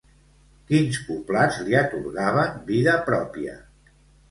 Quins poblats li atorgaven vida pròpia?